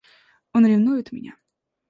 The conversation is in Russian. Он ревнует меня!